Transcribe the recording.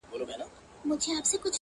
• آزارونه را پسې به وي د زړونو,